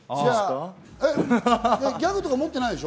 ギャグとか持ってないでしょ？